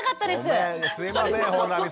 ごめんすいません本並さん。